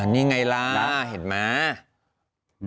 นี่ไงล่ะเห็นไหม